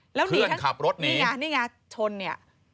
เพื่อนขับรถหนีนี่ไงนี่ไงชนเนี่ย